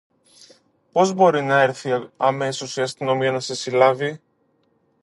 Πως μπορεί να έλθει αμέσως η αστυνομία να σε συλλάβει;